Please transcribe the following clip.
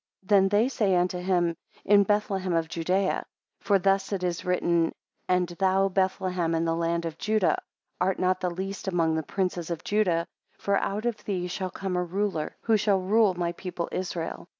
5 Then they say unto him, In Bethlehem of Judaea; for thus it is written: And thou Bethlehem in the land of Judah, art not the least among the princes of Judah, for out of thee shall come a ruler, who shall rule my people Israel.